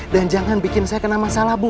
dan jangan bikin saya kena masalah bu